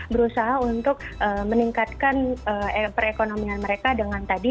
berusaha untuk meningkatkan perekonomian mereka dengan tadi